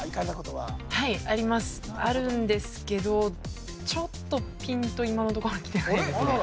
はいありますあるんですけどちょっとピンと今のところきてないですね